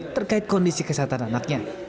terkait kondisi kesehatan anaknya